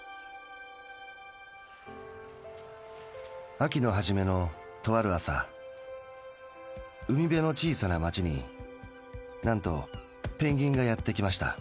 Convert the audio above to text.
秋のはじめのとある朝海辺の小さな町になんとペンギンがやってきました。